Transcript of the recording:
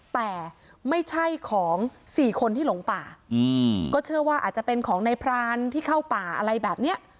แต่ไม่ใช่ของสี่คนที่หลงป่าอืมก็เชื่อว่าอาจจะเป็นของในพรานที่เข้าป่าอะไรแบบเนี้ย